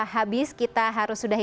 habis kita harus sudahi